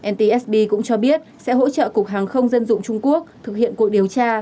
ntb cũng cho biết sẽ hỗ trợ cục hàng không dân dụng trung quốc thực hiện cuộc điều tra